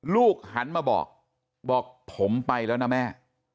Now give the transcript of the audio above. ลูกหันมาบอกบอกผมไปแล้วนะแม่